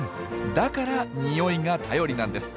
だからニオイが頼りなんです。